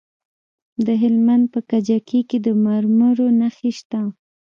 د هلمند په کجکي کې د مرمرو نښې شته.